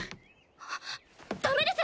はっダメです！